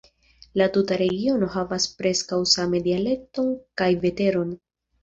La tuta regiono havas preskaŭ same dialekton kaj veteron.